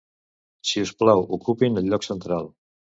Si us plau, ocupin el lloc central.